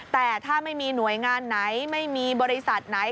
แต่ถ้าไม่มีหน่วยงานไหนไม่มีบริษัทไหน